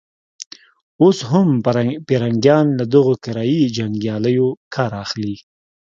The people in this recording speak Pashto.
اوس هم پرنګيان له دغو کرایه يي جنګیالیو کار اخلي.